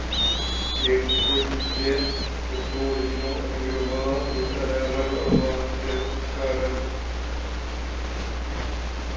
Jako dítě se svou rodinou emigrovala ze Sarajeva do albánského Skadaru.